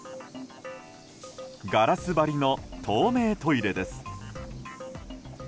ガラス張りの透明トイレです。